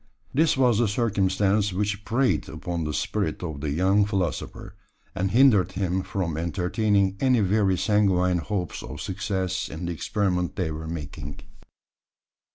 This was the circumstance which preyed upon the spirit of the young philosopher, and hindered him from entertaining any very sanguine hopes of success in the experiment they were making.